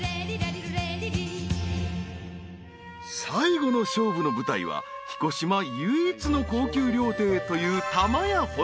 ［最後の勝負の舞台は彦島唯一の高級料亭という］